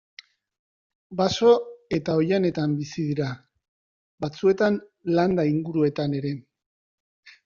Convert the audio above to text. Baso eta oihanetan bizi dira, batzuetan landa inguruetan ere.